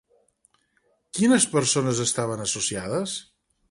Quines persones estaven associades?